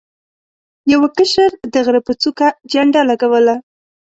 یو کشر د غره په څوکه جنډه ولګوله.